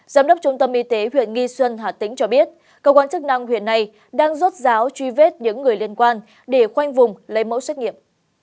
giám đốc trung tâm y tế huyện nghi xuân hà tĩnh cho biết cơ quan chức năng huyện này đang rốt ráo truy vết những người liên quan để khoanh vùng lấy mẫu xét nghiệm